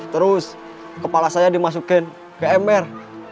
terus kepala saya dimasukin ke ember